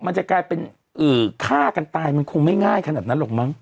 มันจะกลายเป็นฆ่ากันตายมันคงไม่ง่ายขนาดนั้นหรอกมั้ง